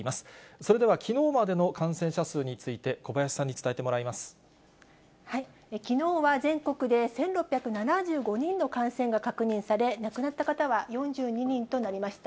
それでは、きのうまでの感染者数について、小林さんに伝えてもらきのうは全国で１６７５人の感染が確認され、亡くなった方は４２人となりました。